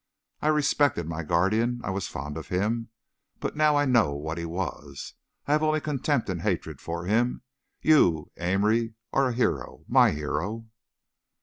I respected my guardian, I was fond of him, but now I know what he was. I have only contempt and hatred of him! You, Amory, are a hero! my hero."